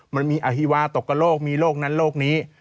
มันมีอฮิวาตกกับโรคมีโรคนั้นโรคนี้